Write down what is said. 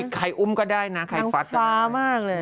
มันได้หฟามากเลย